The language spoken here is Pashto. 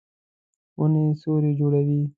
ونې سیوری جوړوي.